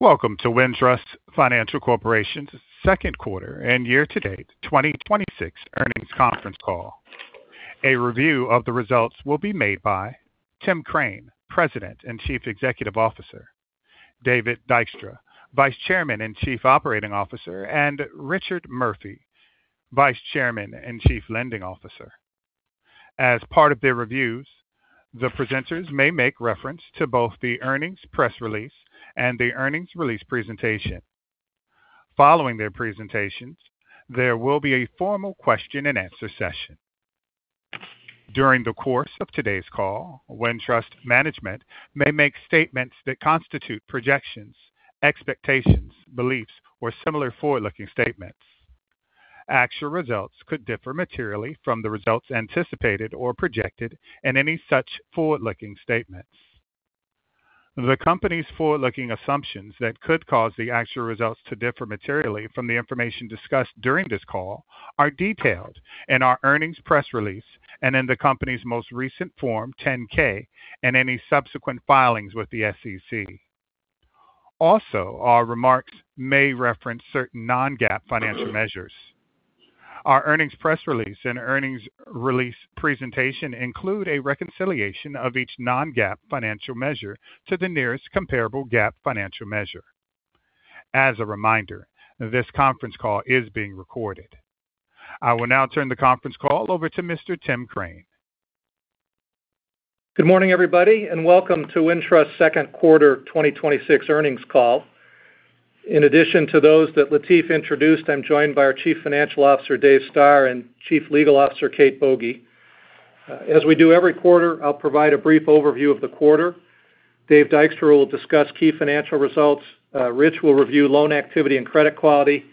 Welcome to Wintrust Financial Corporation's second quarter and year-to-date 2026 earnings conference call. A review of the results will be made by Tim Crane, President and Chief Executive Officer, David Dykstra, Vice Chairman and Chief Operating Officer, and Richard Murphy, Vice Chairman and Chief Lending Officer. As part of their reviews, the presenters may make reference to both the earnings press release and the earnings release presentation. Following their presentations, there will be a formal question-and-answer session. During the course of today's call, Wintrust management may make statements that constitute projections, expectations, beliefs, or similar forward-looking statements. Actual results could differ materially from the results anticipated or projected in any such forward-looking statements. The company's forward-looking assumptions that could cause the actual results to differ materially from the information discussed during this call are detailed in our earnings press release and in the company's most recent Form 10-K, any subsequent filings with the SEC. Our remarks may reference certain non-GAAP financial measures. Our earnings press release and earnings release presentation include a reconciliation of each non-GAAP financial measure to the nearest comparable GAAP financial measure. As a reminder, this conference call is being recorded. I will now turn the conference call over to Mr. Tim Crane. Good morning, everybody. Welcome to Wintrust's second quarter 2026 earnings call. In addition to those that Latif introduced, I'm joined by our Chief Financial Officer, Dave Starr, and Chief Legal Officer, Kate Bogey. As we do every quarter, I'll provide a brief overview of the quarter. Dave Dykstra will discuss key financial results. Rich will review loan activity and credit quality.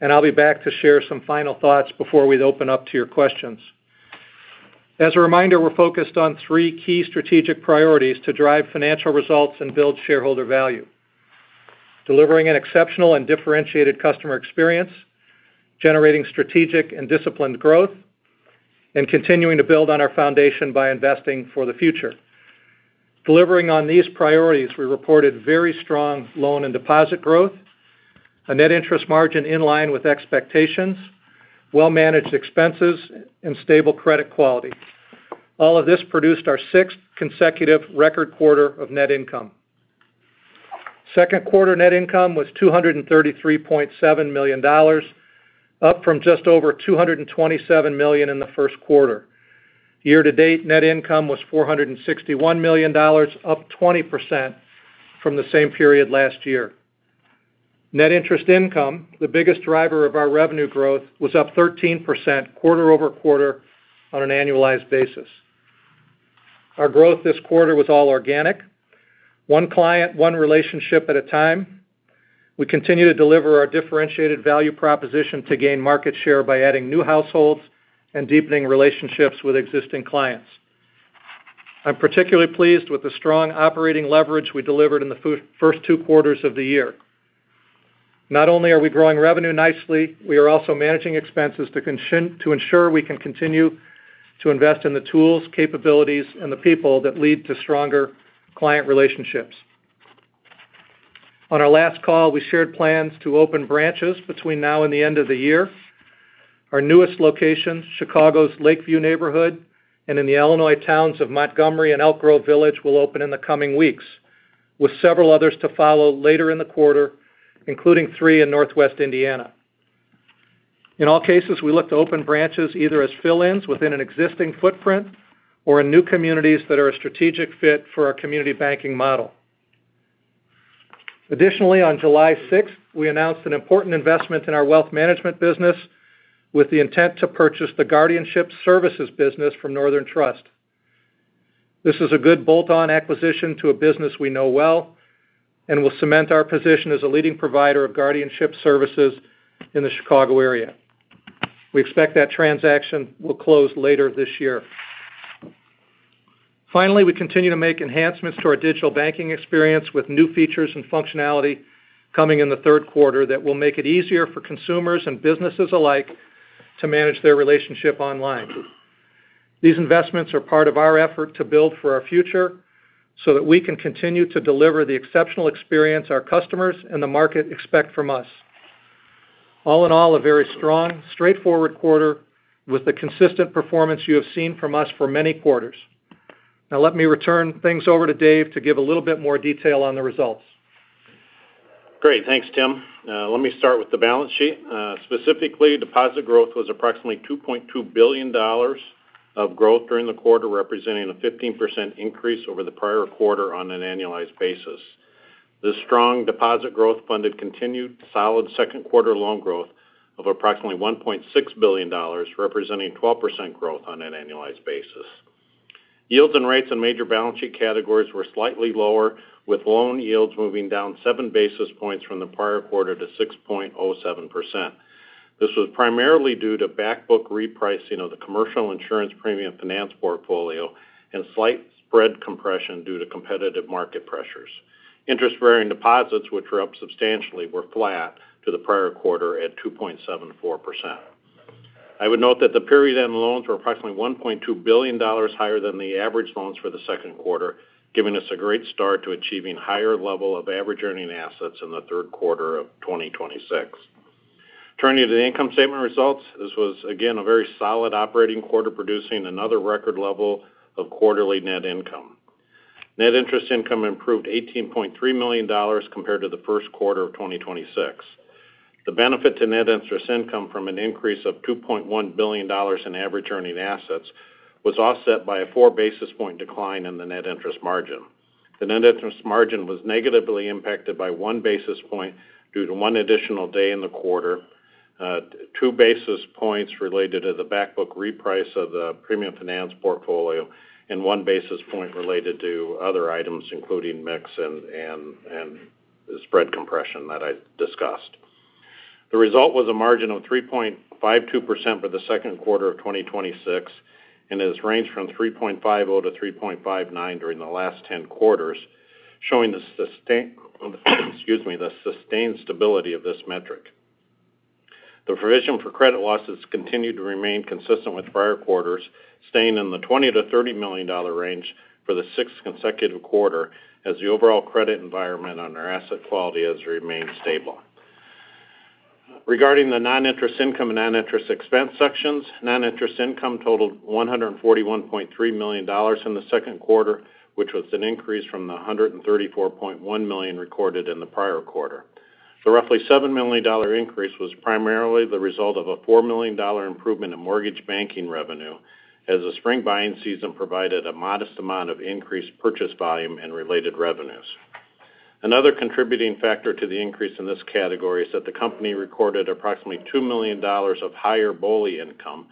I'll be back to share some final thoughts before we open up to your questions. As a reminder, we're focused on three key strategic priorities to drive financial results and build shareholder value: delivering an exceptional and differentiated customer experience, generating strategic and disciplined growth, and continuing to build on our foundation by investing for the future. Delivering on these priorities, we reported very strong loan and deposit growth, a net interest margin in line with expectations, well-managed expenses, and stable credit quality. All of this produced our sixth consecutive record quarter of net income. Second quarter net income was $233.7 million, up from just over $227 million in the first quarter. Year-to-date net income was $461 million, up 20% from the same period last year. Net interest income, the biggest driver of our revenue growth, was up 13% quarter-over-quarter on an annualized basis. Our growth this quarter was all organic. One client, one relationship at a time. We continue to deliver our differentiated value proposition to gain market share by adding new households and deepening relationships with existing clients. I'm particularly pleased with the strong operating leverage we delivered in the first two quarters of the year. Not only are we growing revenue nicely, we are also managing expenses to ensure we can continue to invest in the tools, capabilities, and the people that lead to stronger client relationships. On our last call, we shared plans to open branches between now and the end of the year. Our newest locations, Chicago's Lakeview neighborhood and in the Illinois towns of Montgomery and Elk Grove Village, will open in the coming weeks, with several others to follow later in the quarter, including three in Northwest Indiana. In all cases, we look to open branches either as fill-ins within an existing footprint or in new communities that are a strategic fit for our community banking model. Additionally, on July 6th, we announced an important investment in our wealth management business with the intent to purchase the guardianship services business from Northern Trust. This is a good bolt-on acquisition to a business we know well and will cement our position as a leading provider of guardianship services in the Chicago area. We expect that transaction will close later this year. We continue to make enhancements to our digital banking experience with new features and functionality coming in the third quarter that will make it easier for consumers and businesses alike to manage their relationship online. These investments are part of our effort to build for our future so that we can continue to deliver the exceptional experience our customers and the market expect from us. All in all, a very strong, straightforward quarter with the consistent performance you have seen from us for many quarters. Now let me return things over to Dave to give a little bit more detail on the results. Great. Thanks, Tim. Let me start with the balance sheet. Specifically, deposit growth was approximately $2.2 billion of growth during the quarter, representing a 15% increase over the prior quarter on an annualized basis. This strong deposit growth funded continued solid second quarter loan growth of approximately $1.6 billion, representing 12% growth on an annualized basis. Yields and rates in major balance sheet categories were slightly lower, with loan yields moving down 7 basis points from the prior quarter to 6.07%. This was primarily due to back book repricing of the commercial insurance premium finance portfolio and slight spread compression due to competitive market pressures. Interest-bearing deposits, which were up substantially, were flat to the prior quarter at 2.74%. I would note that the period-end loans were approximately $1.2 billion higher than the average loans for the second quarter, giving us a great start to achieving higher level of average earning assets in the third quarter of 2026. Turning to the income statement results. This was, again, a very solid operating quarter, producing another record level of quarterly net income. Net interest income improved $18.3 million compared to the first quarter of 2026. The benefit to net interest income from an increase of $2.1 billion in average earning assets was offset by a 4 basis point decline in the net interest margin. The net interest margin was negatively impacted by 1 basis point due to one additional day in the quarter, 2 basis points related to the backbook reprice of the premium finance portfolio, and 1 basis point related to other items, including mix and the spread compression that I discussed. The result was a margin of 3.52% for the second quarter of 2026, and has ranged from 3.50%-3.59% during the last 10 quarters, showing the sustained stability of this metric. The provision for credit losses continued to remain consistent with prior quarters, staying in the $20 million-$30 million range for the sixth consecutive quarter, as the overall credit environment on our asset quality has remained stable. Regarding the non-interest income and non-interest expense sections, non-interest income totaled $141.3 million in the second quarter, which was an increase from the $134.1 million recorded in the prior quarter. The roughly $7 million increase was primarily the result of a $4 million improvement in mortgage banking revenue, as the spring buying season provided a modest amount of increased purchase volume and related revenues. Another contributing factor to the increase in this category is that the company recorded approximately $2 million of higher BOLI income,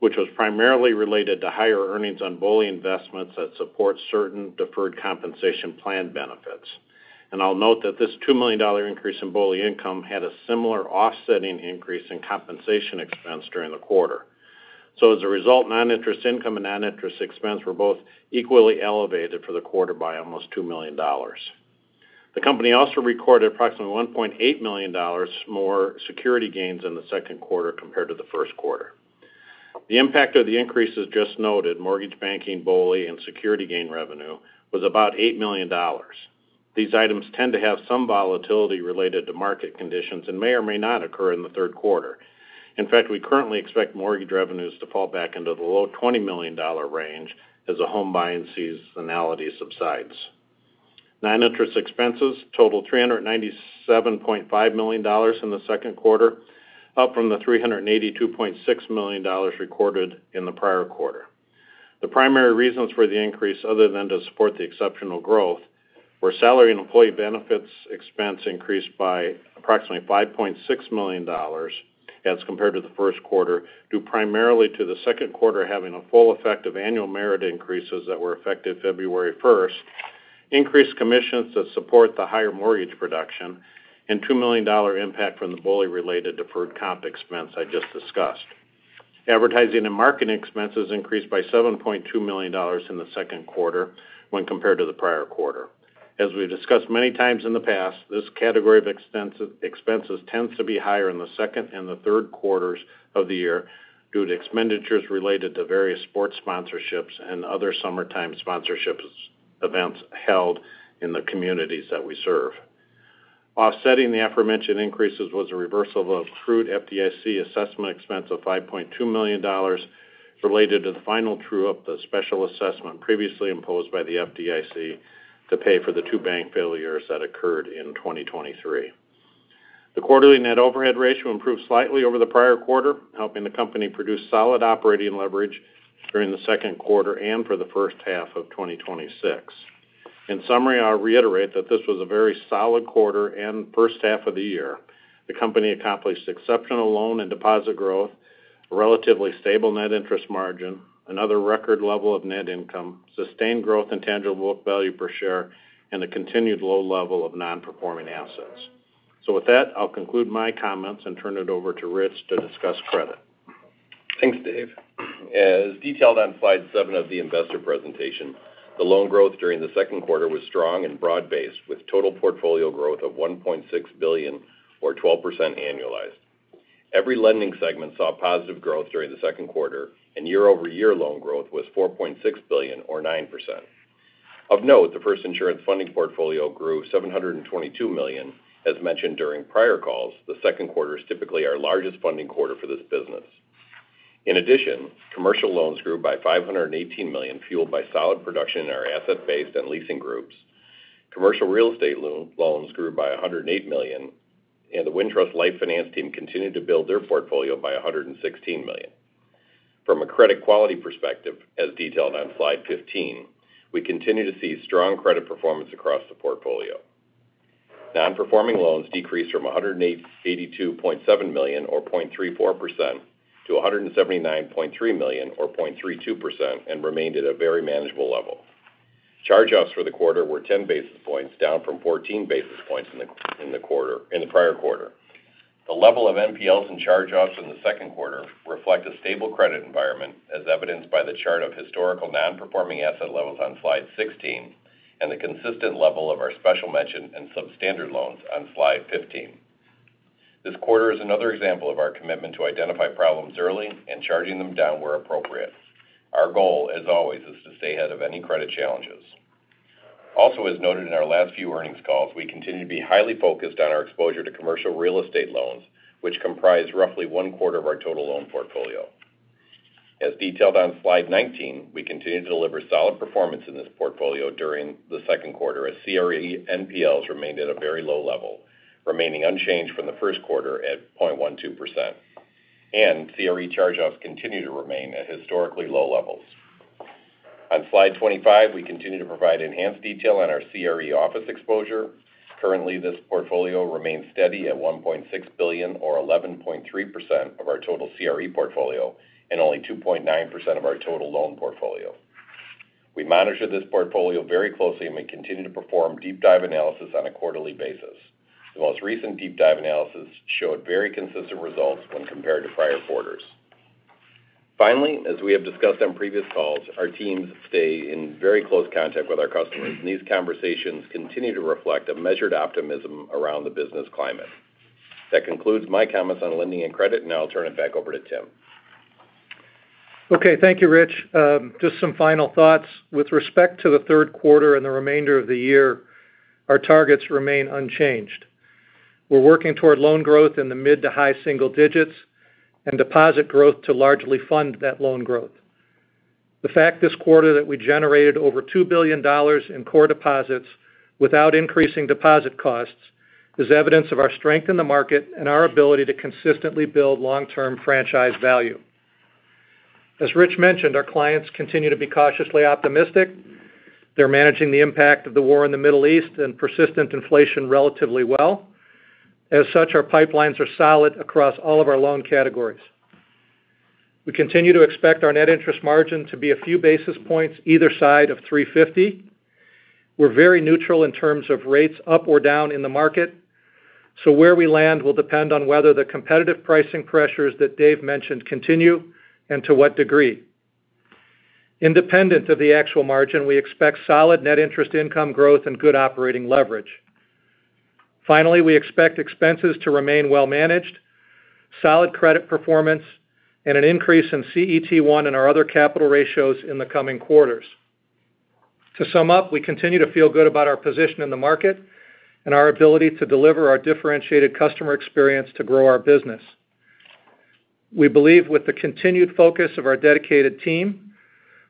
which was primarily related to higher earnings on BOLI investments that support certain deferred compensation plan benefits. I will note that this $2 million increase in BOLI income had a similar offsetting increase in compensation expense during the quarter. As a result, non-interest income and non-interest expense were both equally elevated for the quarter by almost $2 million. The company also recorded approximately $1.8 million more security gains in the second quarter compared to the first quarter. The impact of the increases just noted, mortgage banking, BOLI, and security gain revenue, was about $8 million. These items tend to have some volatility related to market conditions and may or may not occur in the third quarter. In fact, we currently expect mortgage revenues to fall back into the low $20 million range as the home buying seasonality subsides. Non-interest expenses totaled $397.5 million in the second quarter, up from the $382.6 million recorded in the prior quarter. The primary reasons for the increase, other than to support the exceptional growth, were salary and employee benefits expense increased by approximately $5.6 million as compared to the first quarter, due primarily to the second quarter having a full effect of annual merit increases that were effective February 1st, increased commissions to support the higher mortgage production, and $2 million impact from the BOLI-related deferred comp expense I just discussed. Advertising and marketing expenses increased by $7.2 million in the second quarter when compared to the prior quarter. As we have discussed many times in the past, this category of expenses tends to be higher in the second and the third quarters of the year due to expenditures related to various sports sponsorships and other summertime sponsorships events held in the communities that we serve. Offsetting the aforementioned increases was a reversal of accrued FDIC assessment expense of $5.2 million related to the final true-up the special assessment previously imposed by the FDIC to pay for the two bank failures that occurred in 2023. The quarterly net overhead ratio improved slightly over the prior quarter, helping the company produce solid operating leverage during the second quarter and for the first half of 2026. In summary, I will reiterate that this was a very solid quarter and first half of the year. The company accomplished exceptional loan and deposit growth, a relatively stable net interest margin, another record level of net income, sustained growth in tangible book value per share, and a continued low level of non-performing assets. With that, I'll conclude my comments and turn it over to Rich to discuss credit. Thanks, Dave. As detailed on slide seven of the investor presentation, the loan growth during the second quarter was strong and broad-based, with total portfolio growth of $1.6 billion or 12% annualized. Every lending segment saw positive growth during the second quarter, and year-over-year loan growth was $4.6 billion or 9%. Of note, the first insurance funding portfolio grew $722 million. As mentioned during prior calls, the second quarter is typically our largest funding quarter for this business. In addition, commercial loans grew by $518 million, fueled by solid production in our asset-based and leasing groups. Commercial real estate loans grew by $108 million, and the Wintrust Life Finance team continued to build their portfolio by $116 million. From a credit quality perspective, as detailed on slide 15, we continue to see strong credit performance across the portfolio. Non-performing loans decreased from $182.7 million or 0.34%, to $179.3 million or 0.32%, and remained at a very manageable level. Charge-offs for the quarter were 10 basis points, down from 14 basis points in the prior quarter. The level of NPLs and charge-offs in the second quarter reflect a stable credit environment, as evidenced by the chart of historical non-performing asset levels on slide 16. The consistent level of our special mention and substandard loans on slide 15. This quarter is another example of our commitment to identify problems early and charging them down where appropriate. Our goal, as always, is to stay ahead of any credit challenges. Also, as noted in our last few earnings calls, we continue to be highly focused on our exposure to commercial real estate loans, which comprise roughly one quarter of our total loan portfolio. As detailed on slide 19, we continue to deliver solid performance in this portfolio during the second quarter as CRE NPLs remained at a very low level, remaining unchanged from the first quarter at 0.12%. CRE charge-offs continue to remain at historically low levels. On slide 25, we continue to provide enhanced detail on our CRE office exposure. Currently, this portfolio remains steady at $1.6 billion or 11.3% of our total CRE portfolio and only 2.9% of our total loan portfolio. We monitor this portfolio very closely, and we continue to perform deep dive analysis on a quarterly basis. The most recent deep dive analysis showed very consistent results when compared to prior quarters. Finally, as we have discussed on previous calls, our teams stay in very close contact with our customers, and these conversations continue to reflect a measured optimism around the business climate. That concludes my comments on lending and credit, and now I'll turn it back over to Tim. Okay. Thank you, Rich. Just some final thoughts. With respect to the third quarter and the remainder of the year, our targets remain unchanged. We're working toward loan growth in the mid to high single digits and deposit growth to largely fund that loan growth. The fact this quarter that we generated over $2 billion in core deposits without increasing deposit costs is evidence of our strength in the market and our ability to consistently build long-term franchise value. As Rich mentioned, our clients continue to be cautiously optimistic. They're managing the impact of the war in the Middle East and persistent inflation relatively well. As such, our pipelines are solid across all of our loan categories. We continue to expect our net interest margin to be a few basis points either side of 350. We're very neutral in terms of rates up or down in the market. Where we land will depend on whether the competitive pricing pressures that Dave mentioned continue and to what degree. Independent of the actual margin, we expect solid net interest income growth and good operating leverage. Finally, we expect expenses to remain well managed, solid credit performance, and an increase in CET1 and our other capital ratios in the coming quarters. To sum up, we continue to feel good about our position in the market and our ability to deliver our differentiated customer experience to grow our business. We believe with the continued focus of our dedicated team,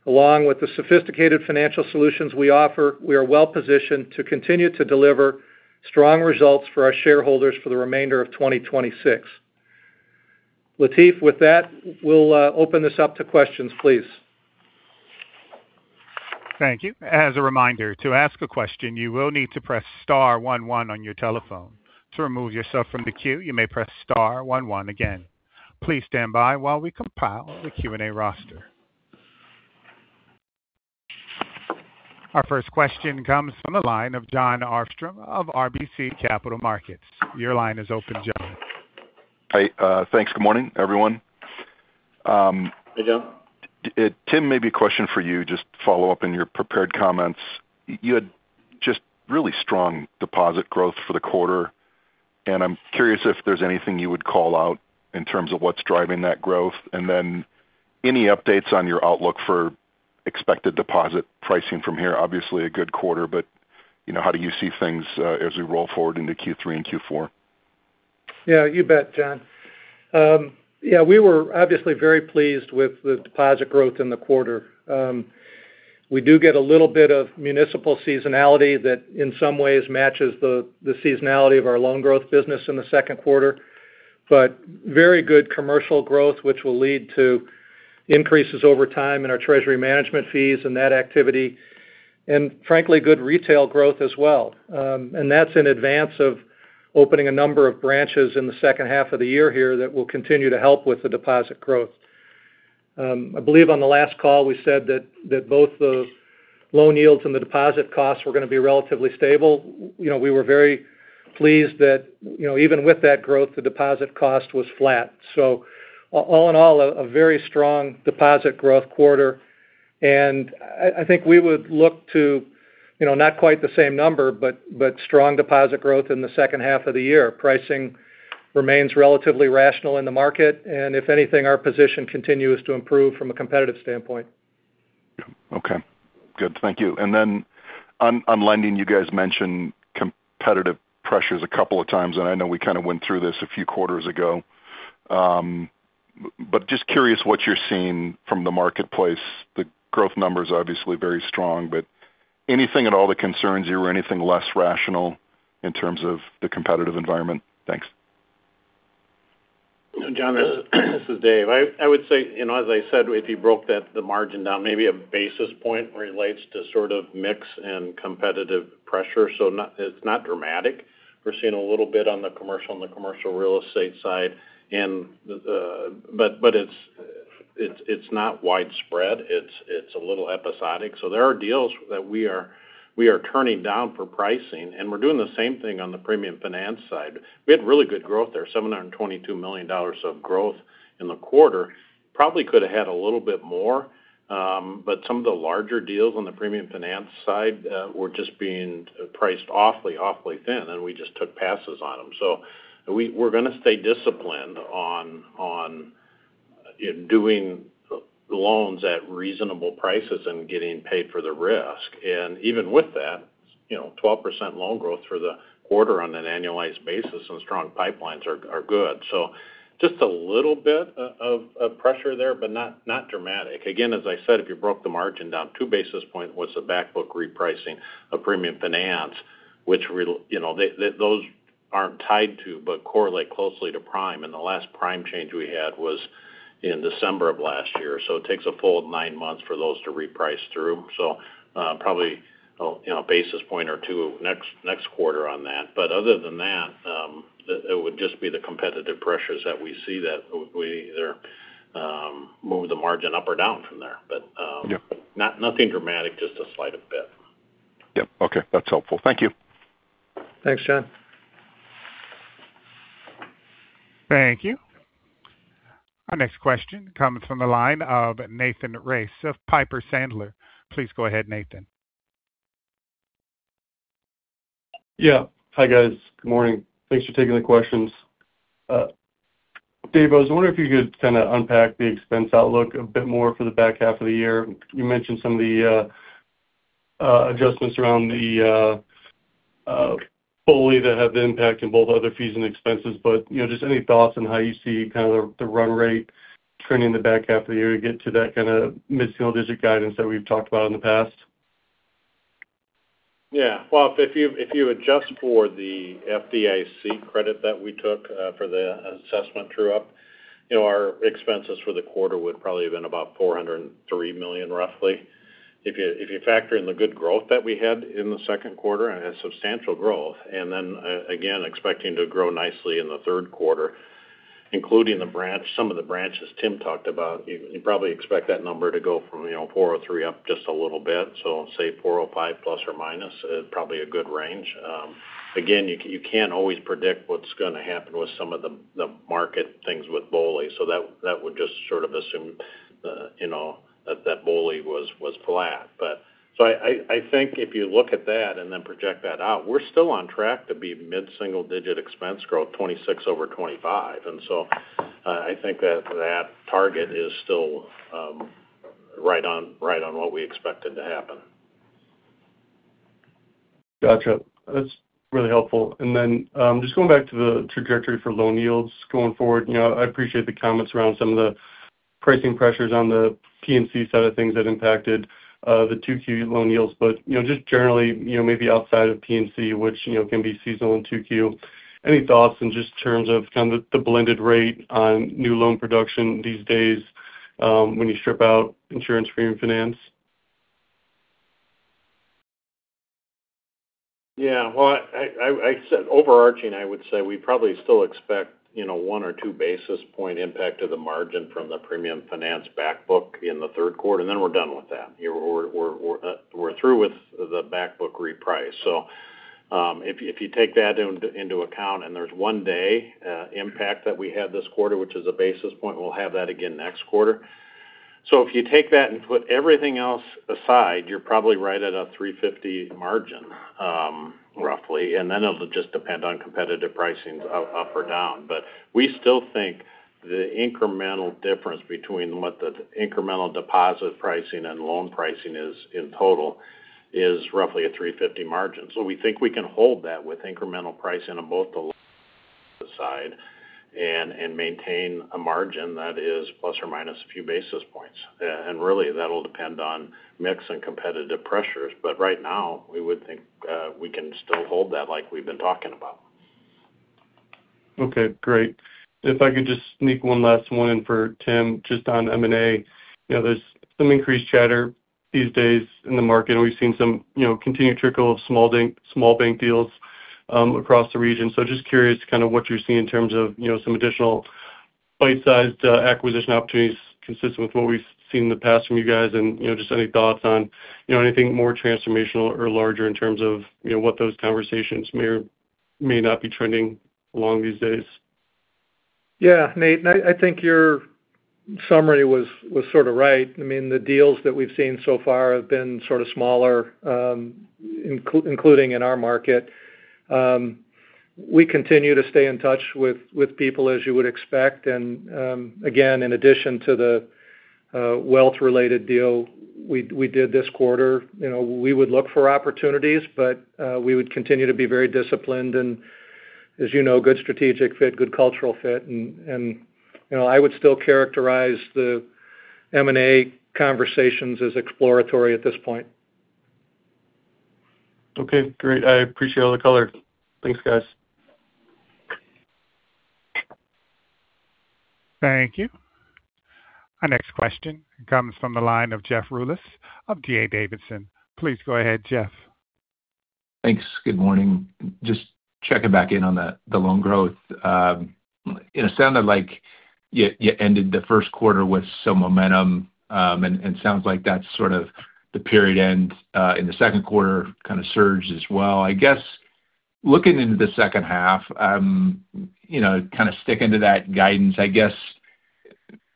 along with the sophisticated financial solutions we offer, we are well-positioned to continue to deliver strong results for our shareholders for the remainder of 2026. Latif, with that, we'll open this up to questions, please. Thank you. As a reminder, to ask a question, you will need to press star one one on your telephone. To remove yourself from the queue, you may press star one one again. Please stand by while we compile the Q&A roster. Our first question comes from the line of Jon Arfstrom of RBC Capital Markets. Your line is open, Jon. Hi. Thanks. Good morning, everyone. Hey, Jon. Tim, maybe a question for you just to follow-up in your prepared comments. I'm curious if there's anything you would call out in terms of what's driving that growth, then any updates on your outlook for expected deposit pricing from here. How do you see things as we roll forward into Q3 and Q4? Yeah, you bet, Jon. Yeah, we were obviously very pleased with the deposit growth in the quarter. We do get a little bit of municipal seasonality that in some ways matches the seasonality of our loan growth business in the second quarter. Very good commercial growth, which will lead to increases over time in our treasury management fees and that activity, and frankly, good retail growth as well. That's in advance of opening a number of branches in the second half of the year here that will continue to help with the deposit growth. I believe on the last call, we said that both the loan yields and the deposit costs were going to be relatively stable. We were very pleased that even with that growth, the deposit cost was flat. All in all, a very strong deposit growth quarter. I think we would look to not quite the same number, but strong deposit growth in the second half of the year. Pricing remains relatively rational in the market, and if anything, our position continues to improve from a competitive standpoint. Okay. Good. Thank you. On lending, you guys mentioned competitive pressures a couple of times, and I know we kind of went through this a few quarters ago. Just curious what you're seeing from the marketplace. The growth number is obviously very strong, but anything at all that concerns you or anything less rational in terms of the competitive environment? Thanks. Jon, this is Dave. I would say, as I said, if you broke the margin down maybe a basis point relates to sort of mix and competitive pressure. It's not dramatic. We're seeing a little bit on the commercial and the commercial real estate side. It's not widespread. It's a little episodic. There are deals that we are turning down for pricing, and we're doing the same thing on the premium finance side. We had really good growth there, $722 million of growth in the quarter. Probably could have had a little bit more. Some of the larger deals on the premium finance side were just being priced awfully thin, and we just took passes on them. We're going to stay disciplined on doing loans at reasonable prices and getting paid for the risk. Even with that, 12% loan growth for the quarter on an annualized basis and strong pipelines are good. Just a little bit of pressure there, but not dramatic. Again, as I said, if you broke the margin down 2 basis point was the back book repricing of premium finance, which those aren't tied to, but correlate closely to Prime, and the last Prime change we had was in December of last year. It takes a full nine months for those to reprice through. Probably a basis point or two next quarter on that. Other than that, it would just be the competitive pressures that we see that we either move the margin up or down from there. Yeah. Nothing dramatic, just a slight bit. Yep. Okay. That's helpful. Thank you. Thanks, Jon. Thank you. Our next question comes from the line of Nathan Race of Piper Sandler. Please go ahead, Nathan. Yeah. Hi, guys. Good morning. Thanks for taking the questions. Dave, I was wondering if you could kind of unpack the expense outlook a bit more for the back half of the year. You mentioned some of the adjustments around BOLI that have impact in both other fees and expenses, just any thoughts on how you see kind of the run rate turning the back half of the year to get to that kind of mid-single-digit guidance that we've talked about in the past? Yeah. Well, if you adjust for the FDIC credit that we took for the assessment true-up, our expenses for the quarter would probably have been about $403 million, roughly. If you factor in the good growth that we had in the second quarter and a substantial growth, again, expecting to grow nicely in the third quarter, including some of the branches Tim talked about, you probably expect that number to go from 403 up just a little bit. Say $405 plus or minus is probably a good range. Again, you can't always predict what's going to happen with some of the market things with BOLI. That would just sort of assume that BOLI was flat. I think if you look at that and then project that out, we're still on track to be mid-single digit expense growth, 2026 over 2025. I think that target is still right on what we expected to happen. Got you. That's really helpful. Just going back to the trajectory for loan yields going forward. I appreciate the comments around some of the pricing pressures on the P&C side of things that impacted the 2Q loan yields. Just generally, maybe outside of P&C, which can be seasonal in 2Q, any thoughts in just terms of kind of the blended rate on new loan production these days when you strip out insurance premium finance? Yeah. Overarching, I would say we probably still expect 1 or 2 basis point impact to the margin from the premium finance back book in the third quarter. We're done with that. We're through with the back book reprice. If you take that into account and there's one-day impact that we had this quarter, which is a basis point, we'll have that again next quarter. If you take that and put everything else aside, you're probably right at a 350 margin, roughly, and then it'll just depend on competitive pricings up or down. We still think the incremental difference between what the incremental deposit pricing and loan pricing is in total is roughly a 350 margin. We think we can hold that with incremental pricing on both the side and maintain a margin that is plus or minus a few basis points. Really, that'll depend on mix and competitive pressures. Right now, we would think we can still hold that like we've been talking about. Okay, great. If I could just sneak one last one in for Tim just on M&A. There's some increased chatter these days in the market, and we've seen some continued trickle of small bank deals across the region. Just curious kind of what you're seeing in terms of some additional bite-sized acquisition opportunities consistent with what we've seen in the past from you guys and just any thoughts on anything more transformational or larger in terms of what those conversations may or may not be trending along these days? Yeah Nath, I think your summary was sort of right. I mean, the deals that we've seen so far have been sort of smaller, including in our market. We continue to stay in touch with people as you would expect. Again, in addition to the wealth-related deal we did this quarter, we would look for opportunities, but we would continue to be very disciplined and, as you know, good strategic fit, good cultural fit. I would still characterize the M&A conversations as exploratory at this point. Great. I appreciate all the color. Thanks, guys. Thank you. Our next question comes from the line of Jeff Rulis of D.A. Davidson. Please go ahead, Jeff. Thanks. Good morning. Just checking back in on the loan growth. It sounded like you ended the first quarter with some momentum, and sounds like that's sort of the period end in the second quarter kind of surged as well. I guess looking into the second half, kind of sticking to that guidance, I guess,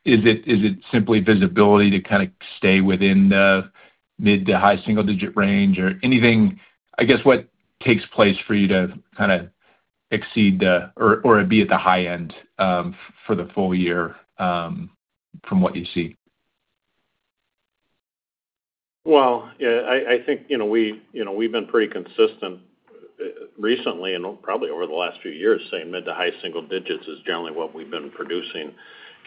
is it simply visibility to kind of stay within the mid to high single-digit range or anything, I guess, what takes place for you to kind of exceed or be at the high end for the full year from what you see? Yeah, I think we've been pretty consistent recently and probably over the last few years, saying mid to high single digits is generally what we've been producing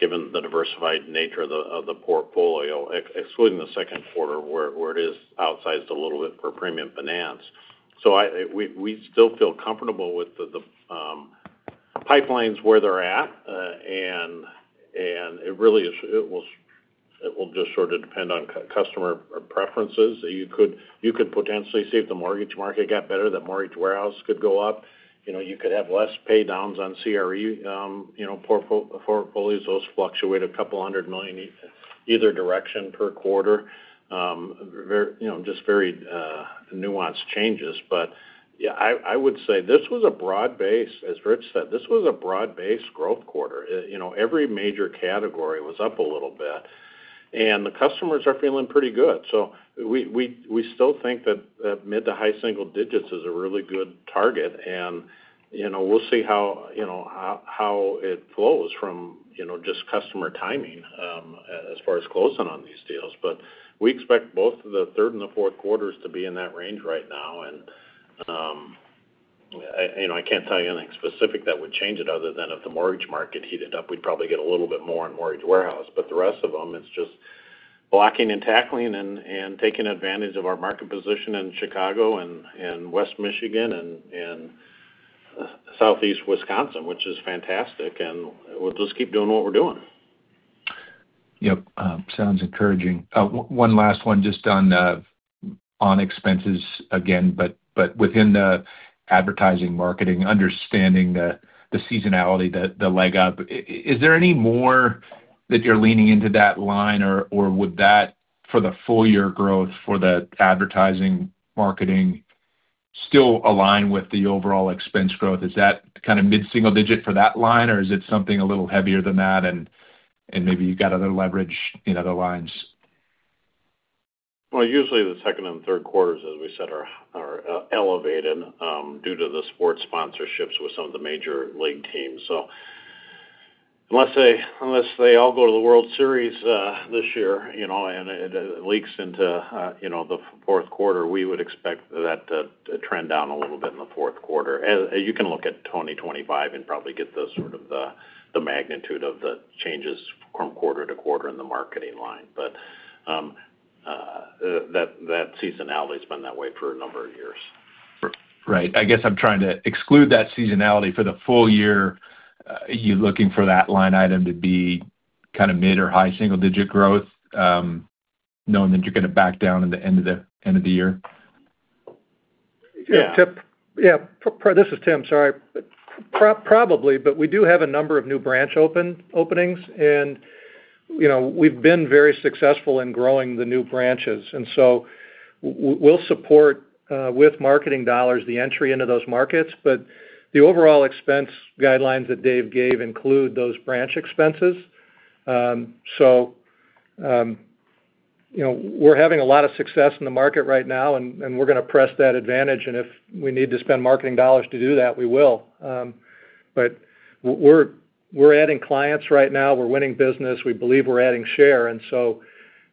given the diversified nature of the portfolio, excluding the second quarter where it is outsized a little bit for premium finance. We still feel comfortable with the pipelines where they're at. It will just sort of depend on customer preferences. You could potentially see if the mortgage market got better, that mortgage warehouse could go up. You could have less pay downs on CRE portfolios. Those fluctuate $200 million either direction per quarter. Just very nuanced changes. Yeah, I would say, as Rich said, this was a broad-based growth quarter. Every major category was up a little bit, and the customers are feeling pretty good. We still think that mid to high single digits is a really good target, and we'll see how it flows from just customer timing as far as closing on these deals. We expect both the third and the fourth quarters to be in that range right now. I can't tell you anything specific that would change it other than if the mortgage market heated up, we'd probably get a little bit more in mortgage warehouse. The rest of them, it's just blocking and tackling and taking advantage of our market position in Chicago and West Michigan and Southeast Wisconsin, which is fantastic, and we'll just keep doing what we're doing. Yep. Sounds encouraging. One last one just on expenses again, but within the advertising marketing, understanding the seasonality, the leg up. Is there any more that you're leaning into that line, or would that, for the full year growth for the advertising marketing, still align with the overall expense growth? Is that kind of mid-single digit for that line, or is it something a little heavier than that and maybe you got other leverage in other lines? Usually the second and third quarters, as we said, are elevated due to the sports sponsorships with some of the major league teams. Unless they all go to the World Series this year and it leaks into the fourth quarter, we would expect that to trend down a little bit in the fourth quarter. You can look at 2025 and probably get the sort of the magnitude of the changes from quarter-to-quarter in the marketing line. That seasonality's been that way for a number of years. Right. I guess I'm trying to exclude that seasonality for the full year. Are you looking for that line item to be kind of mid or high single digit growth, knowing that you're going to back down in the end of the year? Yeah. Yeah. This is Tim, sorry. Probably, but we do have a number of new branch openings, and we've been very successful in growing the new branches. We'll support with marketing dollars the entry into those markets. The overall expense guidelines that Dave gave include those branch expenses. We're having a lot of success in the market right now, and we're going to press that advantage, and if we need to spend marketing dollars to do that, we will. We're adding clients right now. We're winning business. We believe we're adding share, and so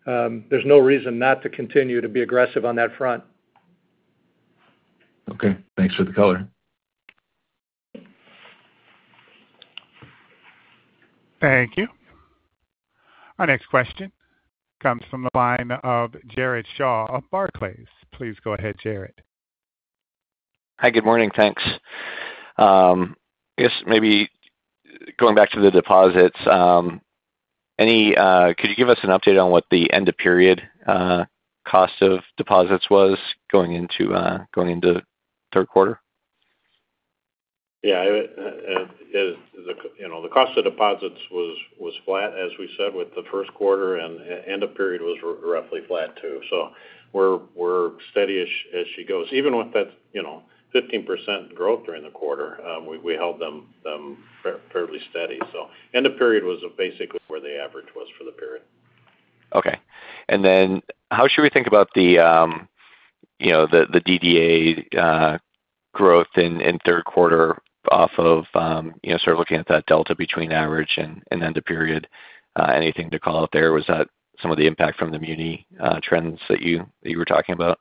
there's no reason not to continue to be aggressive on that front. Okay. Thanks for the color. Thank you. Our next question comes from the line of Jared Shaw of Barclays. Please go ahead, Jared. Hi, good morning. Thanks. I guess maybe going back to the deposits. Could you give us an update on what the end-of-period cost of deposits was going into third quarter? Yeah. The cost of deposits was flat, as we said, with the first quarter. End of period was roughly flat too. We're steady as she goes. Even with that 15% growth during the quarter, we held them fairly steady. End of period was basically where the average was for the period. Okay. How should we think about the DDA growth in third quarter off of sort of looking at that delta between average and end of period? Anything to call out there? Was that some of the impact from the muni trends that you were talking about?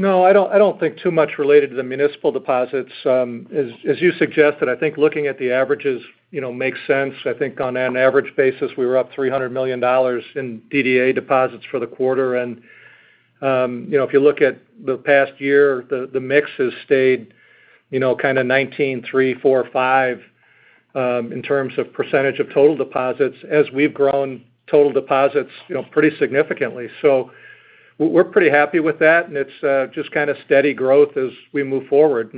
No, I don't think too much related to the municipal deposits. As you suggested, I think looking at the averages makes sense. I think on an average basis, we were up $300 million in DDA deposits for the quarter. If you look at the past year, the mix has stayed kind of 19, three, four, five in terms of percentage of total deposits as we've grown total deposits pretty significantly. We're pretty happy with that, and it's just kind of steady growth as we move forward.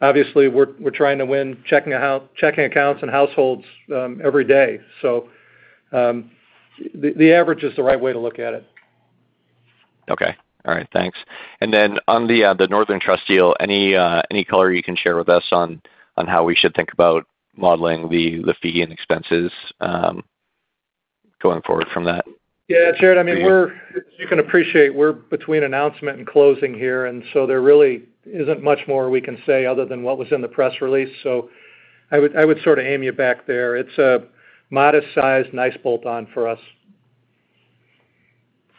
Obviously, we're trying to win checking accounts and households every day. The average is the right way to look at it. Okay. All right. Thanks. Then on the Northern Trust deal, any color you can share with us on how we should think about modeling the fee and expenses going forward from that? Yeah. Jared, as you can appreciate, we're between announcement and closing here, there really isn't much more we can say other than what was in the press release. I would sort of aim you back there. It's a modest-sized, nice bolt-on for us.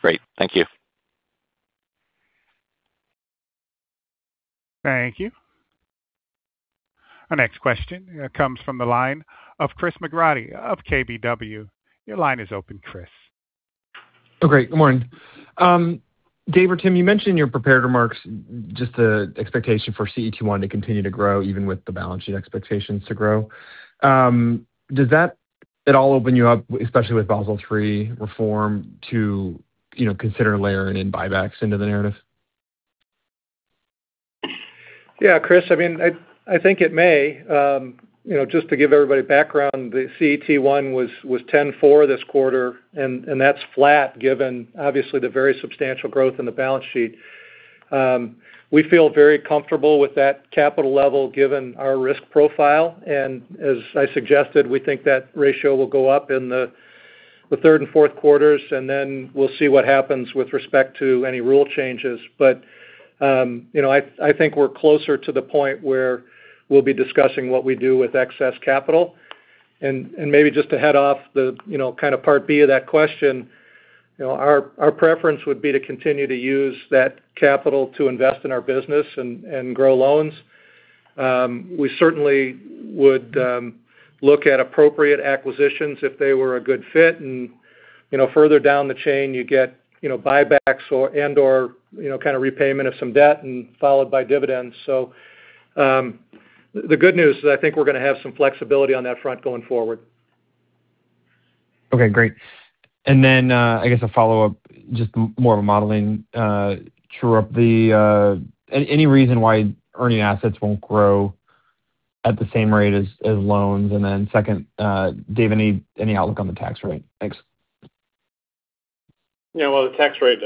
Great. Thank you. Thank you. Our next question comes from the line of Chris McGratty of KBW. Your line is open, Chris. Oh, great. Good morning. Dave or Tim, you mentioned in your prepared remarks just the expectation for CET1 to continue to grow even with the balance sheet expectations to grow. Does that at all open you up, especially with Basel III reform, to consider layering in buybacks into the narrative? Yeah, Chris, I think it may. Just to give everybody background, the CET1 was 10.4 this quarter, and that's flat given, obviously, the very substantial growth in the balance sheet. We feel very comfortable with that capital level given our risk profile. As I suggested, we think that ratio will go up in the third and fourth quarters, and then we'll see what happens with respect to any rule changes. I think we're closer to the point where we'll be discussing what we do with excess capital. Maybe just to head off the kind of part B of that question, our preference would be to continue to use that capital to invest in our business and grow loans. We certainly would look at appropriate acquisitions if they were a good fit and further down the chain, you get buybacks and/or kind of repayment of some debt and followed by dividends. The good news is I think we're going to have some flexibility on that front going forward. Okay, great. I guess a follow-up, just more of a modeling true-up. Any reason why earning assets won't grow at the same rate as loans? Second, Dave, any outlook on the tax rate? Thanks. The tax rate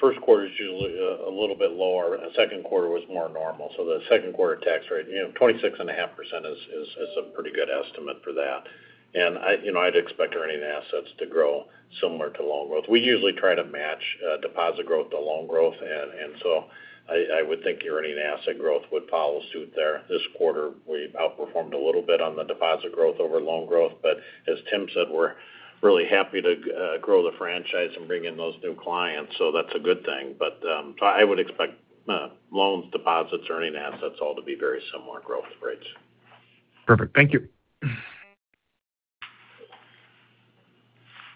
first quarter is usually a little bit lower, second quarter was more normal. The second quarter tax rate, 26.5% is a pretty good estimate for that. I'd expect earning assets to grow similar to loan growth. We usually try to match deposit growth to loan growth, I would think earning asset growth would follow suit there. This quarter, we've outperformed a little bit on the deposit growth over loan growth. As Tim said, we're really happy to grow the franchise and bring in those new clients, that's a good thing. I would expect loans, deposits, earning assets all to be very similar growth rates. Perfect. Thank you.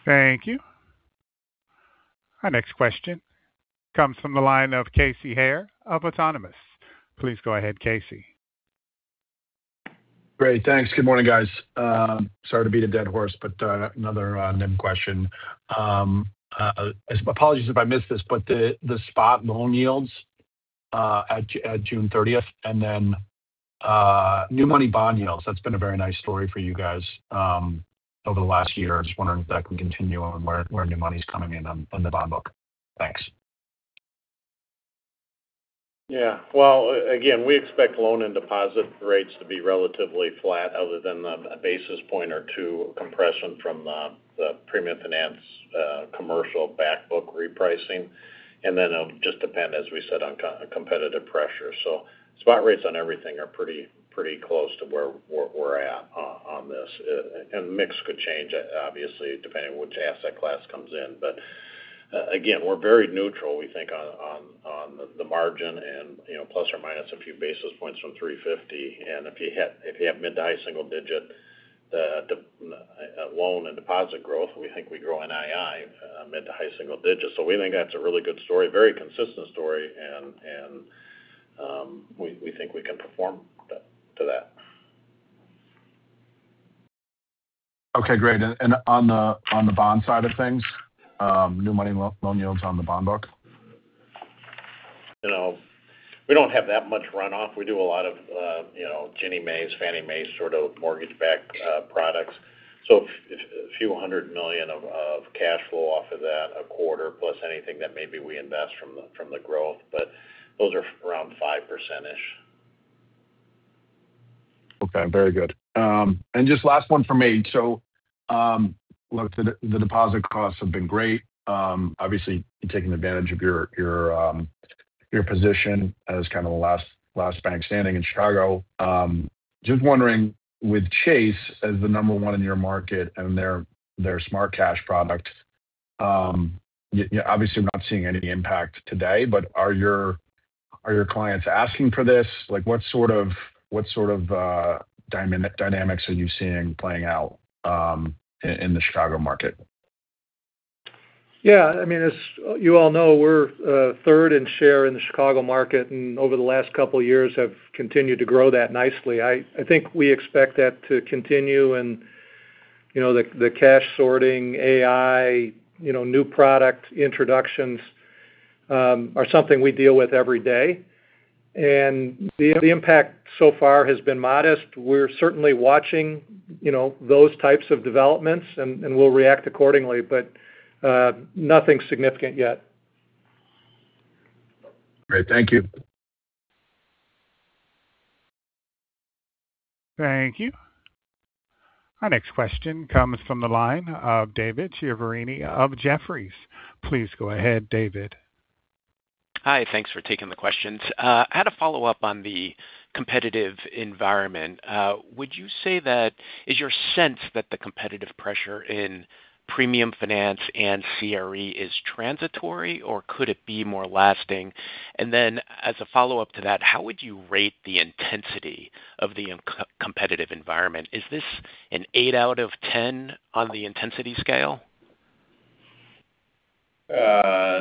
Thank you. Our next question comes from the line of Casey Haire of Autonomous. Please go ahead, Casey. Great. Thanks. Good morning, guys. Sorry to beat a dead horse, another NIM question. Apologies if I missed this, the spot loan yields at June 30th new money bond yields, that's been a very nice story for you guys over the last year. I was just wondering if that can continue on where new money's coming in on the bond book. Thanks. Well, again, we expect loan and deposit rates to be relatively flat other than the basis point or two compression from the premium finance commercial back book repricing. Then it'll just depend, as we said, on competitive pressure. Spot rates on everything are pretty close to where we're at on this. Mix could change, obviously, depending on which asset class comes in. Again, we're very neutral, we think on the margin and plus or minus a few basis points from 350. If you have mid to high single-digit loan and deposit growth, we think we grow NII mid to high single-digits. We think that's a really good story, very consistent story, and we think we can perform to that. Okay, great. On the bond side of things, new money loan yields on the bond book? We don't have that much runoff. We do a lot of Ginnie Maes, Fannie Maes sort of mortgage-backed products. A few $100 million of cash flow off of that a quarter plus anything that maybe we invest from the growth. Those are around 5%-ish. Okay, very good. Just last one from me. The deposit costs have been great. Obviously, you're taking advantage of your position as kind of the last bank standing in Chicago. Just wondering with Chase as the number one in your market and their Smart Cash product, obviously, we're not seeing any impact today, but are your clients asking for this? What sort of dynamics are you seeing playing out in the Chicago market? Yeah. As you all know, we're third in share in the Chicago market, and over the last couple of years have continued to grow that nicely. I think we expect that to continue. The cash sorting, AI, new product introductions are something we deal with every day. The impact so far has been modest. We're certainly watching those types of developments, and we'll react accordingly. Nothing significant yet. Great. Thank you. Thank you. Our next question comes from the line of David Chiaverini of Jefferies. Please go ahead, David. Hi. Thanks for taking the questions. I had a follow-up on the competitive environment. Would you say that is your sense that the competitive pressure in premium finance and CRE is transitory, or could it be more lasting? As a follow-up to that, how would you rate the intensity of the competitive environment? Is this an eight out of 10 on the intensity scale?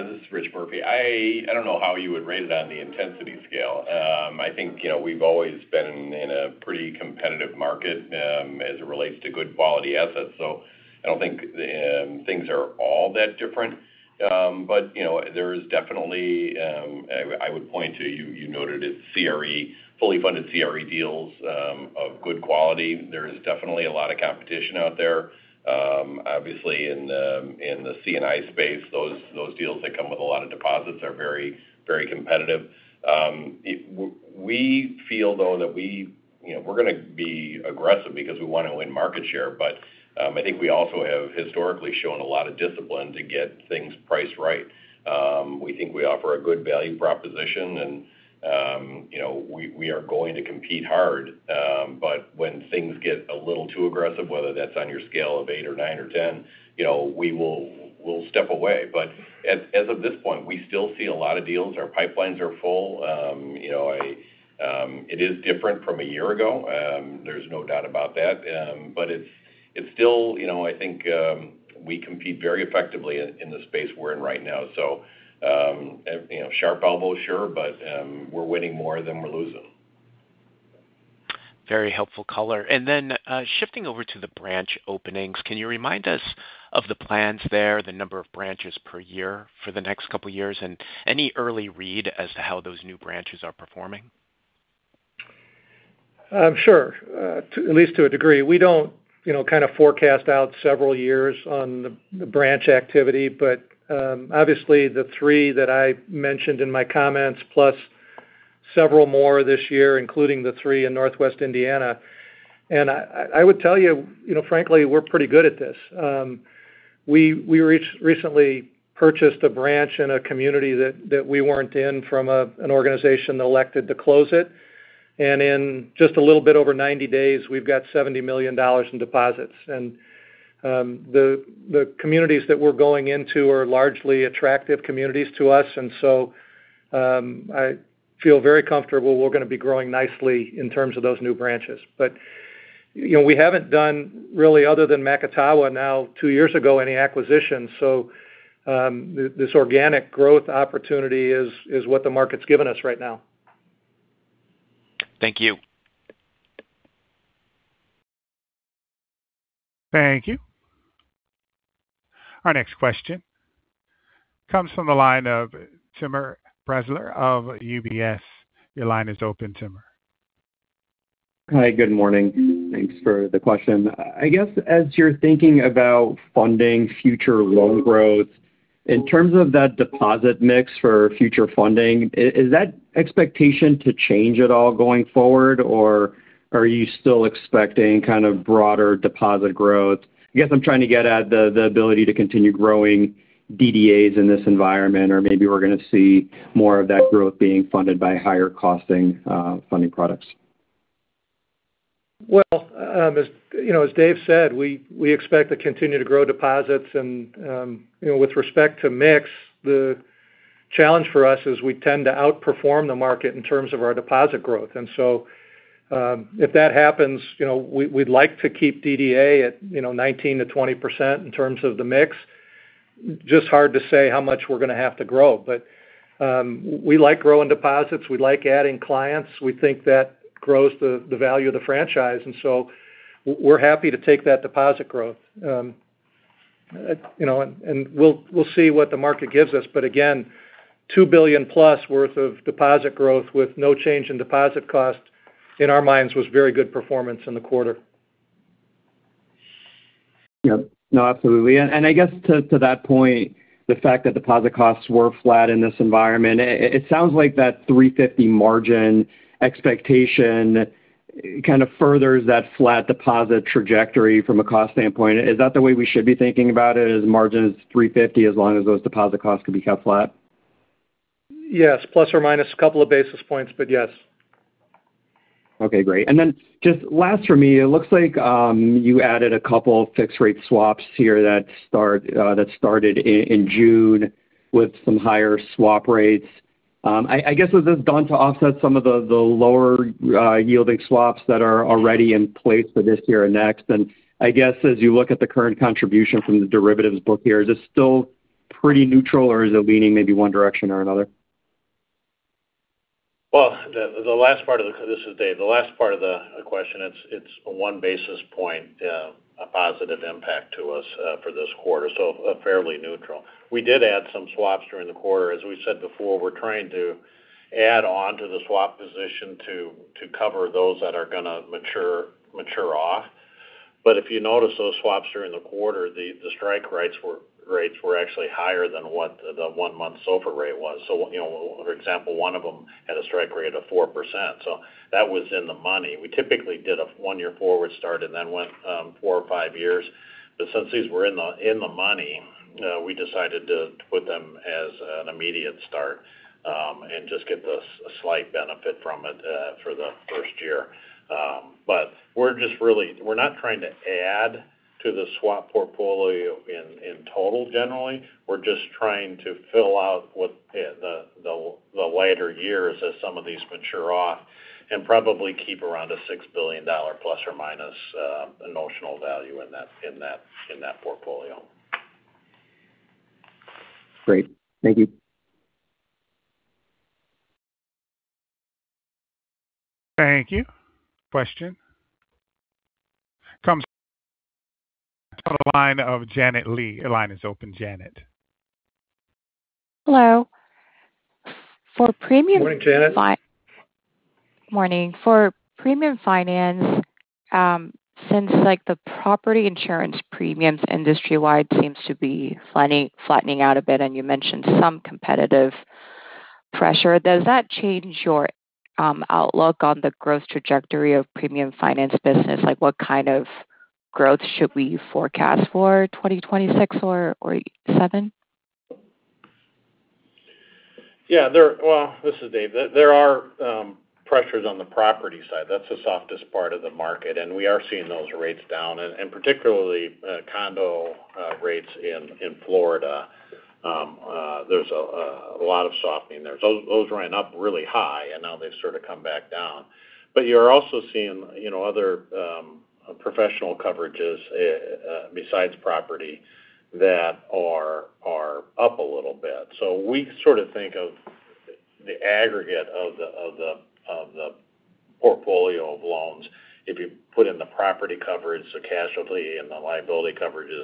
This is Rich Murphy. I don't know how you would rate it on the intensity scale. I think we've always been in a pretty competitive market as it relates to good quality assets. I don't think things are all that different. There is definitely, I would point to, you noted it, CRE, fully funded CRE deals of good quality. There is definitely a lot of competition out there. Obviously in the C&I space, those deals that come with a lot of deposits are very competitive. We feel though, that we're going to be aggressive because we want to win market share. I think we also have historically shown a lot of discipline to get things priced right. We think we offer a good value proposition and we are going to compete hard. When things get a little too aggressive, whether that's on your scale of eight or nine or 10, we'll step away. As of this point, we still see a lot of deals. Our pipelines are full. It is different from a year ago. There's no doubt about that. It's still, I think we compete very effectively in the space we're in right now. Sharp elbows, sure. We're winning more than we're losing. Very helpful color. Shifting over to the branch openings, can you remind us of the plans there, the number of branches per year for the next couple of years, and any early read as to how those new branches are performing? Sure. At least to a degree. We don't forecast out several years on the branch activity. Obviously the three that I mentioned in my comments, plus several more this year, including the three in Northwest Indiana. I would tell you, frankly, we're pretty good at this. We recently purchased a branch in a community that we weren't in from an organization that elected to close it. In just a little bit over 90 days, we've got $70 million in deposits. The communities that we're going into are largely attractive communities to us, and so I feel very comfortable we're going to be growing nicely in terms of those new branches. We haven't done really other than Macatawa now two years ago, any acquisitions. This organic growth opportunity is what the market's given us right now. Thank you. Thank you. Our next question comes from the line of Timur Braziler of UBS. Your line is open, Timur. Hi. Good morning. Thanks for the question. I guess as you're thinking about funding future loan growth, in terms of that deposit mix for future funding, is that expectation to change at all going forward, or are you still expecting kind of broader deposit growth? I guess I'm trying to get at the ability to continue growing DDAs in this environment, or maybe we're going to see more of that growth being funded by higher costing funding products. Well, as Dave said, we expect to continue to grow deposits and with respect to mix, the challenge for us is we tend to outperform the market in terms of our deposit growth. If that happens, we'd like to keep DDA at 19%-20% in terms of the mix. Just hard to say how much we're going to have to grow. We like growing deposits, we like adding clients. We think that grows the value of the franchise, we're happy to take that deposit growth. We'll see what the market gives us. Again, $2 billion+ worth of deposit growth with no change in deposit cost, in our minds, was very good performance in the quarter. Yeah. No, absolutely. I guess to that point, the fact that deposit costs were flat in this environment, it sounds like that 350 margin expectation kind of furthers that flat deposit trajectory from a cost standpoint. Is that the way we should be thinking about it, as margin is 350 as long as those deposit costs can be kept flat? Yes. Plus or minus a couple of basis points, yes. Okay, great. Just last for me, it looks like you added a couple fixed-rate swaps here that started in June with some higher swap rates. I guess has this gone to offset some of the lower yielding swaps that are already in place for this year and next? I guess as you look at the current contribution from the derivatives book here, is this still pretty neutral or is it leaning maybe one direction or another? Well, this is Dave. The last part of the question, it's a 1 basis point positive impact to us for this quarter, fairly neutral. We did add some swaps during the quarter. As we said before, we're trying to add on to the swap position to cover those that are going to mature off. If you notice those swaps during the quarter, the strike rates were actually higher than what the one-month SOFR rate was. For example, one of them had a strike rate of 4%, so that was in the money. We typically did a one-year forward start and then went four or five years. Since these were in the money, we decided to put them as an immediate start, and just get a slight benefit from it for the first year. We're not trying to add to the swap portfolio in total generally. We're just trying to fill out the lighter years as some of these mature off and probably keep around a $6 billion plus or minus notional value in that portfolio. Great. Thank you. Thank you. Question comes from the line of Janet Lee. Your line is open, Janet. Hello. Morning, Janet. Morning. For premium finance, since the property insurance premiums industry-wide seems to be flattening out a bit, and you mentioned some competitive pressure, does that change your outlook on the growth trajectory of premium finance business? What kind of growth should we forecast for 2026 or 2027? Yeah. Well, this is Dave. There are pressures on the property side. That's the softest part of the market. We are seeing those rates down, and particularly condo rates in Florida. There's a lot of softening there. Those ran up really high. Now they've sort of come back down. You're also seeing other professional coverages besides property that are up a little bit. We sort of think of the aggregate of the portfolio of loans. If you put in the property coverage, the casualty, and the liability coverages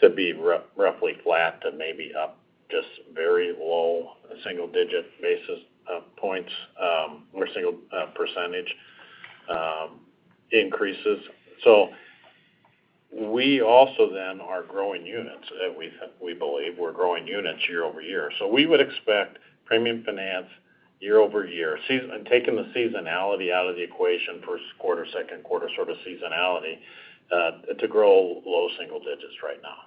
could be roughly flat to maybe up just very low single-digit basis points or single percentage increases. We also then are growing units. We believe we're growing units year-over-year. We would expect premium finance year-over-year, and taking the seasonality out of the equation for second quarter sort of seasonality, to grow low single digits right now.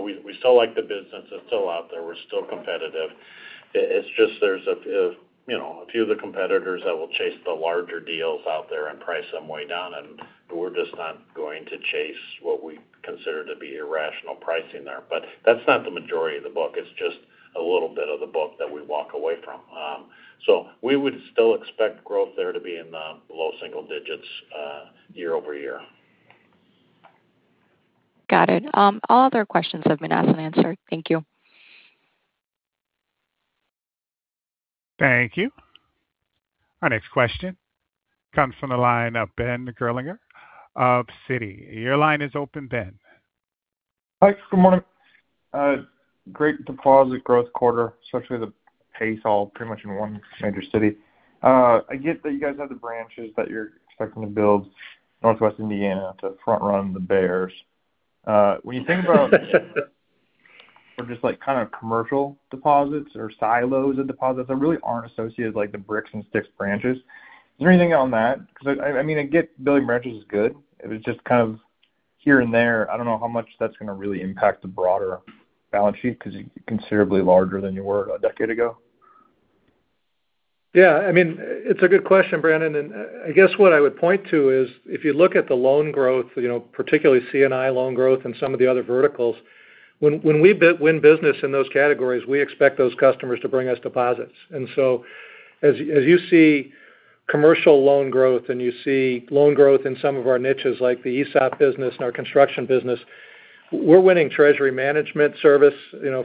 We still like the business. It's still out there. We're still competitive. It's just there's a few of the competitors that will chase the larger deals out there and price them way down, and we're just not going to chase what we consider to be irrational pricing there. That's not the majority of the book. It's just a little bit of the book that we walk away from. We would still expect growth there to be in the low single digits year-over-year. Got it. All other questions have been asked and answered. Thank you. Thank you. Our next question comes from the line of Ben Gerlinger of Citi. Your line is open, Ben. Hi. Good morning. Great deposit growth quarter, especially the pace all pretty much in one major city. I get that you guys have the branches that you're expecting to build Northwest Indiana to front-run the bears. Just commercial deposits or silos of deposits that really aren't associated like the bricks and sticks branches. Is there anything on that? I get building branches is good. It was just kind of here and there. I don't know how much that's going to really impact the broader balance sheet because you're considerably larger than you were a decade ago. Yeah. It's a good question, Ben. I guess what I would point to is if you look at the loan growth, particularly C&I loan growth and some of the other verticals, when we win business in those categories, we expect those customers to bring us deposits. As you see commercial loan growth and you see loan growth in some of our niches like the ESOP business and our construction business, we're winning treasury management service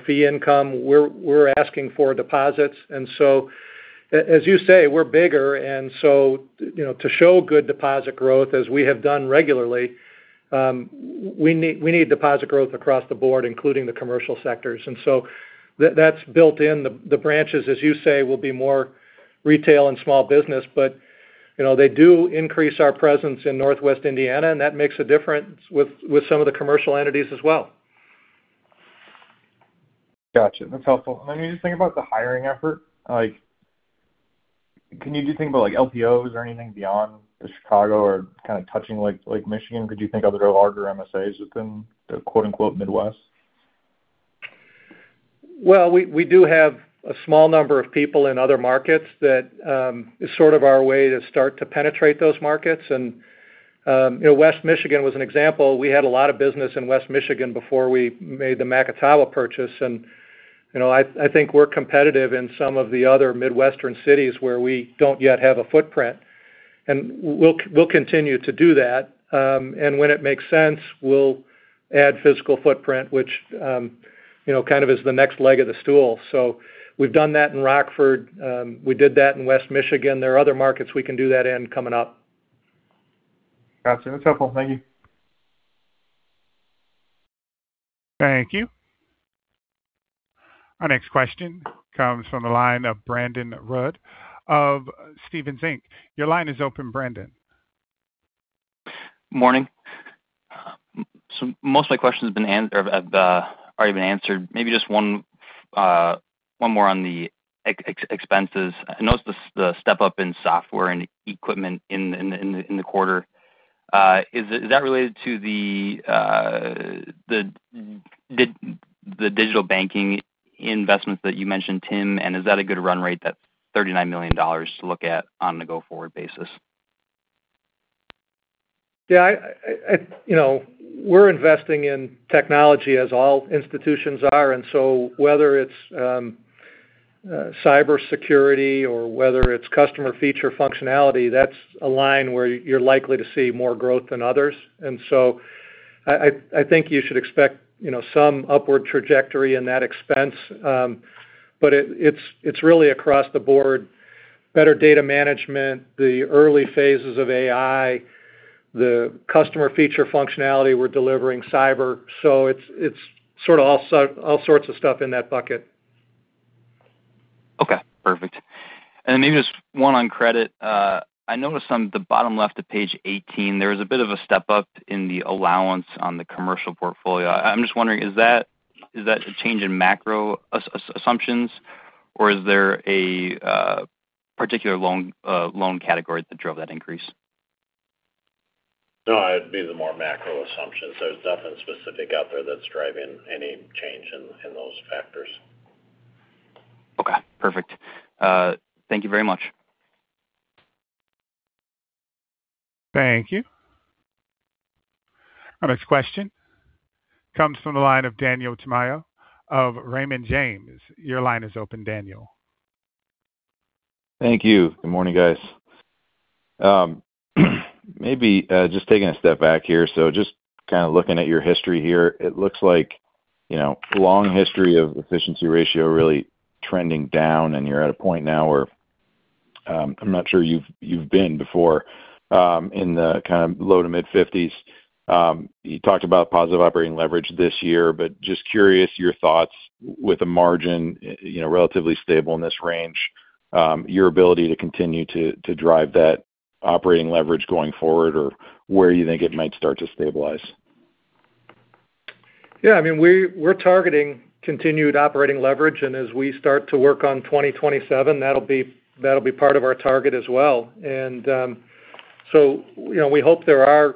fee income. We're asking for deposits. As you say, we're bigger, and so to show good deposit growth as we have done regularly, we need deposit growth across the board, including the commercial sectors. That's built in. The branches, as you say, will be more retail and small business, they do increase our presence in Northwest Indiana, that makes a difference with some of the commercial entities as well. Got you. That's helpful. When you think about the hiring effort, can you just think about LPOs or anything beyond the Chicago or kind of touching Lake Michigan? Could you think of other larger MSAs within the quote unquote Midwest? Well, we do have a small number of people in other markets. That is sort of our way to start to penetrate those markets and West Michigan was an example. We had a lot of business in West Michigan before we made the Macatawa purchase. I think we're competitive in some of the other Midwestern cities where we don't yet have a footprint. We'll continue to do that. When it makes sense, we'll add physical footprint, which kind of is the next leg of the stool. We've done that in Rockford. We did that in West Michigan. There are other markets we can do that in coming up. Got you. That's helpful. Thank you. Thank you. Our next question comes from the line of Brandon Rud of Stephens Inc. Your line is open, Brandon. Morning. Most of my question have already been answered. Maybe just one more on the expenses. I noticed the step-up in software and equipment in the quarter. Is that related to the digital banking investments that you mentioned, Tim? Is that a good run rate, that $39 million, to look at on a go-forward basis? Yeah. We're investing in technology as all institutions are. Whether it's cybersecurity or whether it's customer feature functionality, that's a line where you're likely to see more growth than others. I think you should expect some upward trajectory in that expense. It's really across the board. Better data management, the early phases of AI, the customer feature functionality we're delivering, cyber. It's sort of all sorts of stuff in that bucket. Okay. Perfect. Maybe just one on credit. I noticed on the bottom left of page 18, there was a bit of a step-up in the allowance on the commercial portfolio. I'm just wondering, is that a change in macro assumptions, or is there a particular loan category that drove that increase? No. It'd be the more macro assumptions. There's nothing specific out there that's driving any change in those factors. Okay. Perfect. Thank you very much. Thank you. Our next question comes from the line of Daniel Tamayo of Raymond James. Your line is open, Daniel. Thank you. Good morning, guys. Maybe just taking a step back here. Just kind of looking at your history here. It looks like long history of efficiency ratio really trending down, and you're at a point now where I'm not sure you've been before in the kind of low to mid-50%. You talked about positive operating leverage this year, but just curious your thoughts with the margin relatively stable in this range, your ability to continue to drive that operating leverage going forward or where you think it might start to stabilize. We're targeting continued operating leverage, as we start to work on 2027, that'll be part of our target as well. We hope there are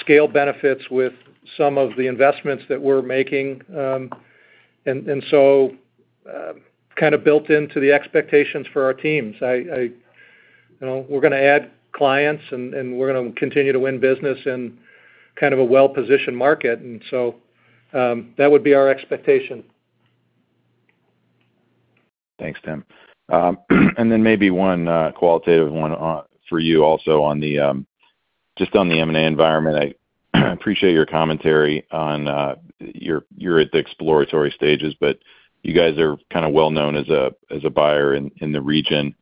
scale benefits with some of the investments that we're making. Kind of built into the expectations for our teams. We're going to add clients, we're going to continue to win business in kind of a well-positioned market, and so that would be our expectation. Thanks, Tim. Maybe one qualitative one for you also just on the M&A environment. I appreciate your commentary on you're at the exploratory stages. You guys are kind of well-known as a buyer in the region.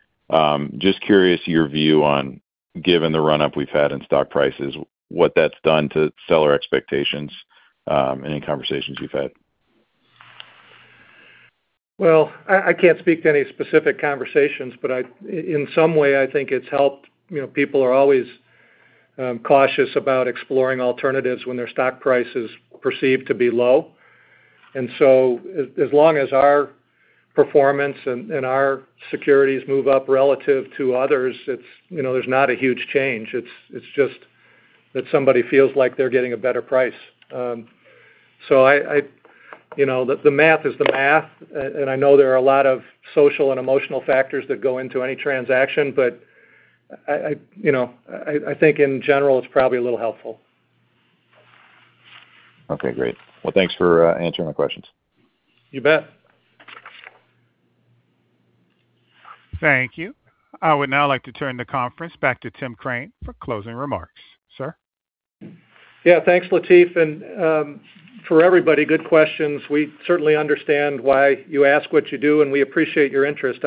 Just curious your view on, given the run-up we've had in stock prices, what that's done to seller expectations, any conversations you've had. Well, I can't speak to any specific conversations, but in some way, I think it's helped. People are always cautious about exploring alternatives when their stock price is perceived to be low. As long as our performance and our securities move up relative to others, there's not a huge change. It's just that somebody feels like they're getting a better price. The math is the math, and I know there are a lot of social and emotional factors that go into any transaction, but I think in general, it's probably a little helpful. Okay, great. Well, thanks for answering my questions. You bet. Thank you. I would now like to turn the conference back to Tim Crane for closing remarks. Sir. Yeah. Thanks, Latif. For everybody, good questions. We certainly understand why you ask what you do, and we appreciate your interest.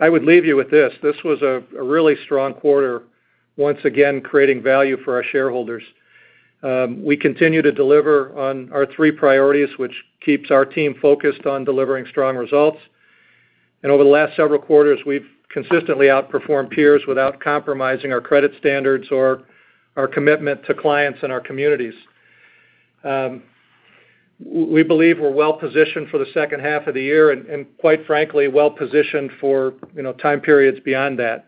I would leave you with this. This was a really strong quarter, once again, creating value for our shareholders. We continue to deliver on our three priorities, which keeps our team focused on delivering strong results. Over the last several quarters, we've consistently outperformed peers without compromising our credit standards or our commitment to clients and our communities. We believe we're well-positioned for the second half of the year and, quite frankly, well-positioned for time periods beyond that.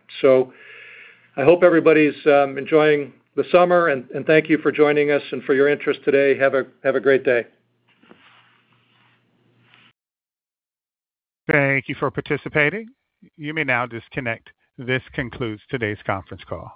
I hope everybody's enjoying the summer, and thank you for joining us and for your interest today. Have a great day. Thank you for participating. You may now disconnect. This concludes today's conference call.